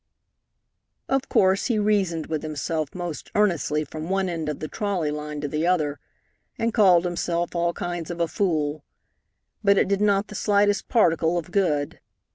Of course he reasoned with himself most earnestly from one end of the trolley line to the other, and called himself all kinds of a fool, but it did not the slightest particle of good.